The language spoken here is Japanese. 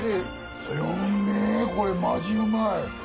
うめえこれマジうまい。